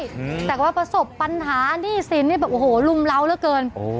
อืมแต่ก็ประสบปัญหานี่สินเนี้ยแบบโอ้โหลุมเหลาแล้วเกินโอ้